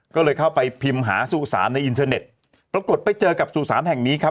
ก็เลยเข้าไปพิมพ์หาสู่สารในอินเทอร์เน็ตปรากฏไปเจอกับสุสานแห่งนี้ครับ